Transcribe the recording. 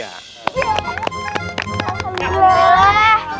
ya makasih ya